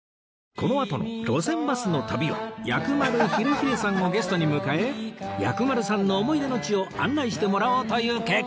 このあとの『路線バスの旅』は薬丸裕英さんをゲストに迎え薬丸さんの思い出の地を案内してもらおうという計画